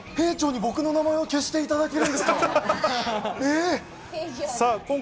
僕の名前を消していただけるんですか？